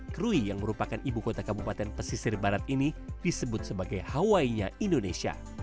krui yang merupakan ibu kota kabupaten pesisir barat ini disebut sebagai hawainya indonesia